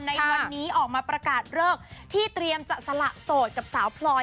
ในวันนี้ออกมาประกาศเลิกที่เตรียมจะสละโสดกับสาวพลอย